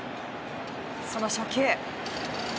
その初球。